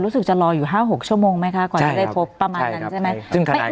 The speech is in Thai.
รู้สึกจะรออยู่๕๖ชั่วโมงไหมคะกว่าจะได้พบประมาณนั้นใช่ไหม